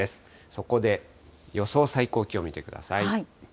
そこで予想最高気温、見てください。